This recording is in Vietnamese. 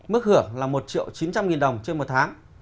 mức hưởng là một triệu chín trăm linh nghìn đồng trên một tháng